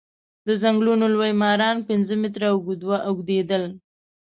د ځنګلونو لوی ماران پنځه متره اوږديدل.